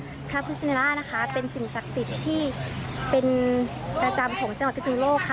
เพราะว่าทรัพย์ฟุชินิราชนะคะเป็นสิ่งสักติดที่เป็นประจำของจังหวัดพิษณุโลกค่ะ